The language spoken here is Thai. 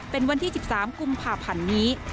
เป็นวันที่๑๓กุมภาพันธ์นี้